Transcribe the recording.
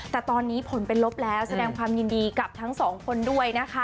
แต่ตอนนี้ผลเป็นลบแล้วแสดงความยินดีกับทั้งสองคนด้วยนะคะ